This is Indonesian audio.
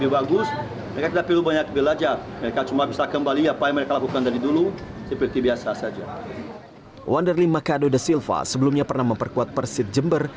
wanderly machado da silva sebelumnya pernah memperkuat persit jember